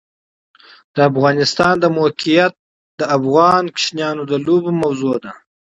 د افغانستان د موقعیت د افغان ماشومانو د لوبو موضوع ده.